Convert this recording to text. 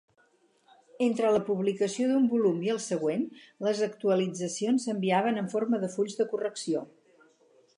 Entre la publicació d'un volum i el següent, les actualitzacions s'enviaven en forma de fulls de correcció.